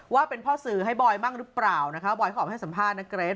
ว่าเป็นพ่อสื่อให้บอยบ้างหรือเปล่านะคะบอยเขาออกมาให้สัมภาษณ์นะเกรท